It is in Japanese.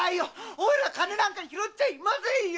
おいら金なんか拾っちゃいませんよ！